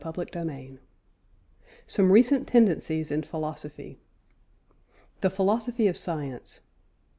CHAPTER XI SOME RECENT TENDENCIES IN PHILOSOPHY THE PHILOSOPHY OF SCIENCE.